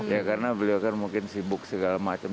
ya karena beliau kan mungkin sibuk segala macam